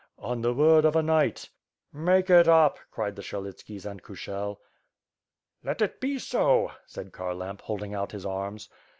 "On the word of a knight!" "Make it up," cried the Syelitskis and Kushel. "Let it be so!" said Kharlamp, holding out his arms.